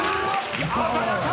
鮮やか！